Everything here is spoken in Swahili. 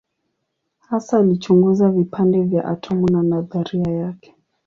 Hasa alichunguza vipande vya atomu na nadharia yake.